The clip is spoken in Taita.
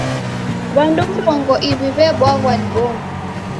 W'andu mrongo iw'i w'ebwaghwa ni bomu.